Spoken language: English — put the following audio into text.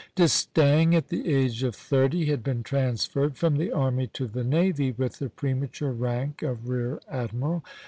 "D'Estaing, at the age of thirty, had been transferred from the army to the navy with the premature rank of rear admiral.